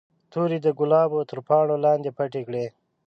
تورې د ګلابو تر پاڼو لاندې پټې کړئ.